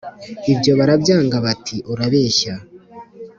ibyo barabyanga bati : urabeshya